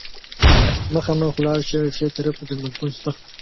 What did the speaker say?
مخامخ ولاړ شه، ښي طرف ته درملتون شته.